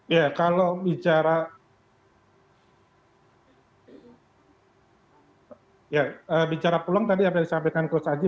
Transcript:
ya kalau bicara peluang tadi yang saya sampaikan ke sajib